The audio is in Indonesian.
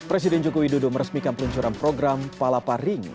presiden joko widodo meresmikan peluncuran program palapa ring